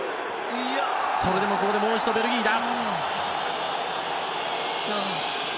それでももう一度ベルギーだ。